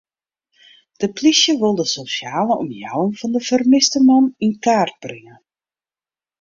De plysje wol de sosjale omjouwing fan de fermiste man yn kaart bringe.